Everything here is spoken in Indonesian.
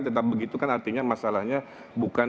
tetap begitu kan artinya masalahnya bukan